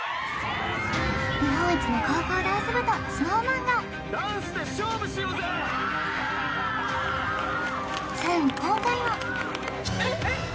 日本一の高校ダンス部とＳｎｏｗＭａｎがさらに今回は！